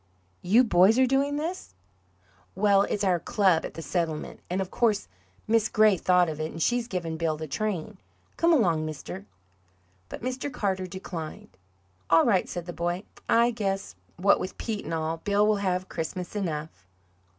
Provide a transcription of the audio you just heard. "You boys are doing this?" "Well, it's our club at the settlement, and of course Miss Gray thought of it, and she's givin' Bill the train. Come along, mister." But Mr. Carter declined. "All right," said the boy. "I guess, what with Pete and all, Bill will have Christmas enough."